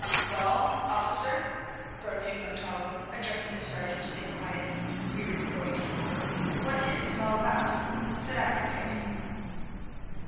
"Well, officer," broke in Montalvo, addressing the sergeant in a quiet, wearied voice, "what is all this about? Set out your case."